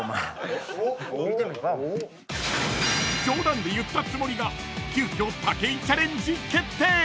［冗談で言ったつもりが急きょ武井チャレンジ決定］